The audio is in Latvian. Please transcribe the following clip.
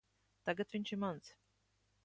Tagad viņš ir mans.